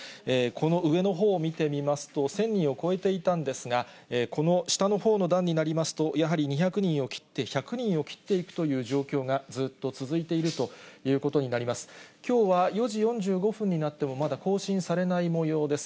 この上のほうを見てみますと、１０００人を超えていたんですが、この下のほうの段になりますと、やはり２００人を切って、１００人を切っていくという状況が、ずっと続いているということになります。